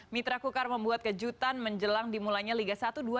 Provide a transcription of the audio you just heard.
mitra kukar membuat kejutan menjelang dimulainya liga satu dua ribu dua puluh